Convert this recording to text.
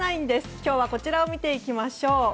今日はこちらを見ていきましょう。